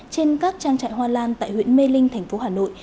trên các trang trại hoa lan tại huyện mê linh thành phố hà nội